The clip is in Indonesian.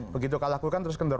begitu kalahku kan terus kendor